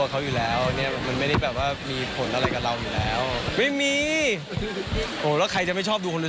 หรือว่ามันก็ยังพอดูได้อยู่หรอกครับ